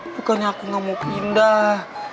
bukannya aku gak mau pindah